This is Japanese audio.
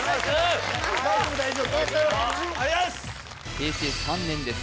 平成３年です